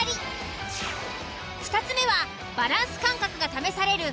２つ目はバランス感覚が試される。